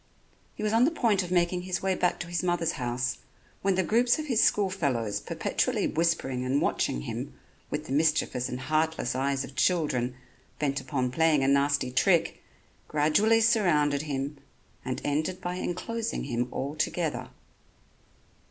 He was on the point of making his way back to his mother's house when the groups of his school fellows perpetually whispering and watching him with the mischievous and heartless eyes of children bent upon playing a nasty trick, gradually surrounded him and ended by enclosing him altogether.